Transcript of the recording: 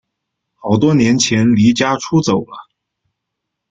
好多年前离家出走了